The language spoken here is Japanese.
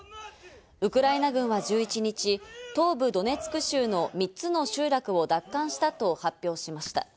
ウクライナ軍は１１日、東部ドネツク州の３つの集落を奪還したと発表しました。